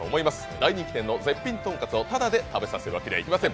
大人気店の絶品とんかつをただで食べさせるわけにはいきません。